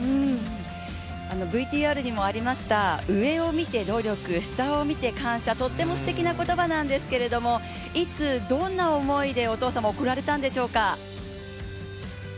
ＶＴＲにもありました上を見て努力、下を見て感謝、とってもすてきな言葉なんですけれどもいつ、どんな思いでお父様、送られたんでしょうか？